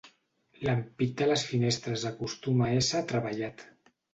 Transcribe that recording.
L'ampit de les finestres acostuma a ésser treballat.